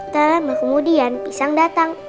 sama sama kemudian pisang datang